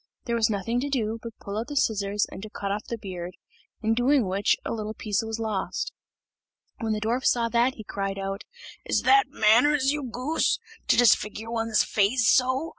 There was nothing to do but to pull out the scissors and to cut off the beard, in doing which a little piece of it was lost. When the dwarf saw that, he cried out: "Is that manners, you goose! to disfigure one's face so?